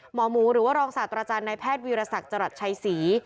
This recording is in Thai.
หมอหมูหรือว่ารองศาสตราจารย์นายแพทย์วีรศักดิ์จรัสชัยศรี